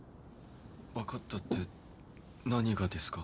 わかったって何がですか？